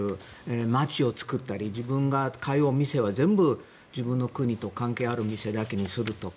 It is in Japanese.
街を作ったり自分が通うお店は全部、自分の国と関係ある店だけにするとか。